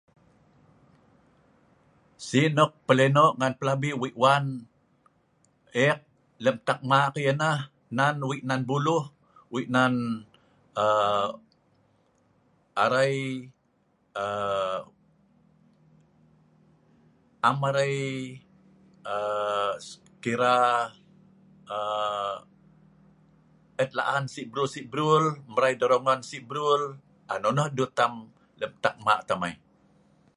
Si hnok plenok ngan plabi wik wan ek, lem tat hmak nan taak hmak nan wik nan buluh, wik nan aa arai, aa arai aa am arai aaa kira aa et laan sii' breu, sii breu' mrai dorongan sii' breu, aa nonoh dut tam hnok tam lem hmak tam ai